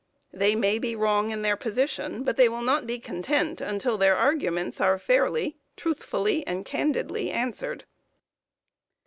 They may be wrong in their position, but they will not be content until their arguments are fairly, truthfully and candidly answered.